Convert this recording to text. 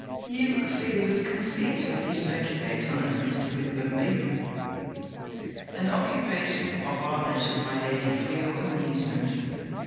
'You are figures of conceit when you speculate on us, Mr. Whitmonby.' 'An occupation of our leisure, my lady, for your amusement.'